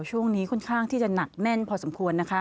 ช่วงนี้ค่อนข้างที่จะหนักแน่นพอสมควรนะคะ